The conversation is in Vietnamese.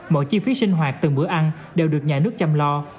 mọi chi phí sinh hoạt từng bữa ăn đều được nhà nước chăm lo